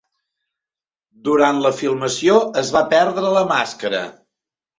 Durant la filmació es va perdre la màscara.